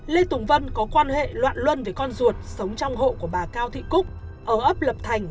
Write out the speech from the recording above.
lê tùng vân có quan hệ loạn luân với con ruột sống trong hộ của bà cao thị cúc ở ấp lập thành